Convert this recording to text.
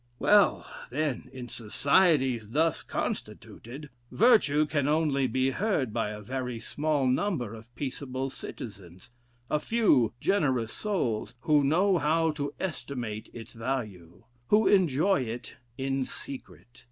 Well, then, in societies thus constituted, virtue can only be heard by a very small number of peaceable citizens, a few generous souls, who know how to estimate its value, who enjoy it in secret.